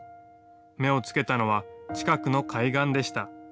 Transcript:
目をつけたのは、近くの海岸でした。